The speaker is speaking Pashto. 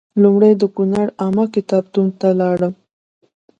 لومړی د کونړ عامه کتابتون ته لاړم.